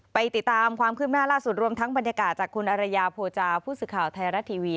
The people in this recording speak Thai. ไปติดตามความคืบหน้าล่าสุดรวมทั้งบรรยากาศจากคุณอรยาโภจาผู้สื่อข่าวไทยรัฐทีวี